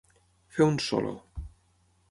Fer un solo.